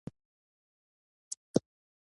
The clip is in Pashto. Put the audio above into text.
افغانستان د لعل کوربه دی.